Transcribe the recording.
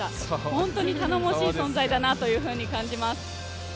本当に頼もしい存在だなというふうに感じます。